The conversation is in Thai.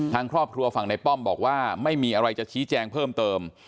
ทางครอบครัวฝั่งในป้อมบอกว่าไม่มีอะไรจะชี้แจงเพิ่มเติม